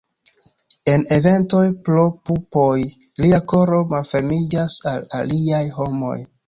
En eventoj pro pupoj, lia koro malfermiĝas al aliaj homoj.